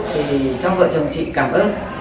thì cho vợ chồng chị cảm ơn